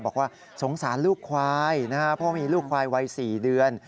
บอกว่าสงสารลูกควายนะครับเพราะมีลูกควายวัย๔เดือน